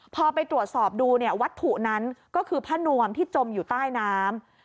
พอไปตรวจสอบดูเนี่ยวัตถุนั้นก็คือผ้านวมที่จมอยู่ใต้น้ำ